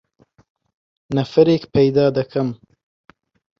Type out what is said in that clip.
نەفەرێک پەیدا دەکەم.